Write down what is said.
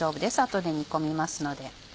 後で煮込みますので。